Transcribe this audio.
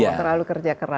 tidak mau terlalu kerja keras